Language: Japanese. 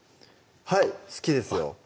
はい好きですよ